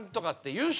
優勝